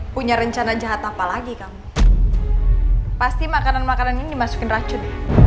punya rencana jahat apalagi kamu pasti makanan makanan ini masukin racun